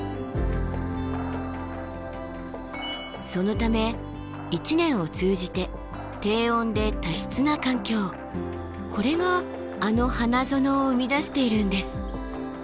そのため一年を通じてこれがあの花園を生み出しているんです。